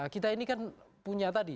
kita ini kan punya tadi